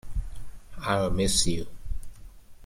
I’ll miss you.